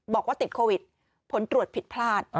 บอกว่าติดโควิดผลตรวจผิดพลาด